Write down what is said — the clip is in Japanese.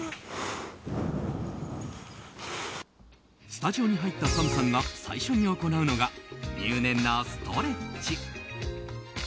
スタジオに入ったＳＡＭさんが最初に行うのが入念なストレッチ。